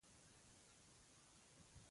اپین لکه چې پیدا نه شو، په دې اړه یې وویل.